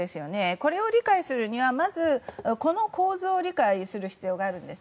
これを理解するにはこの構造を理解する必要があるんです。